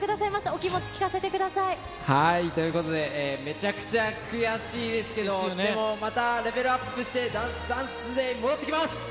お気持ち聞かせてください。ということで、めちゃくちゃ悔しいですけど、でも、またレベルアップして、ＤＡＮＣＥＤＡＹ、戻ってきます。